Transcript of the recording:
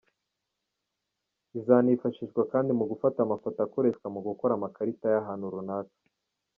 Izanifashishwa kandi mu gufata amafoto akoreshwa mu gukora amakarita y’ahantu runaka.